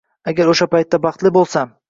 Agar o'sha paytda baxtli bo'lsam.